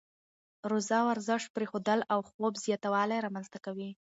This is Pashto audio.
روزه ورزش پرېښودل او خوب زیاتوالی رامنځته کوي.